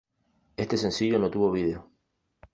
Este sencillo no tuvo video.